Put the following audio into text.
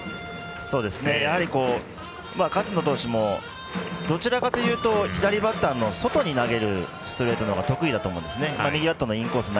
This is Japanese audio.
やはり、勝野投手もどちらかというと左バッターの外に投げるストレートのほうが得意だと思うんですね。